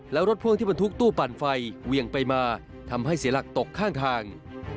แล้วรถพ่วงที่บรรทุกตู้ปั่นไฟเวียงไปมาทำให้เสียหลักตกข้างทาง